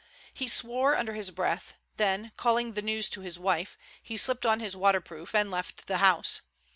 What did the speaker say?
He swore under his breath, then, calling the news to his wife, he slipped on his waterproof and left the house.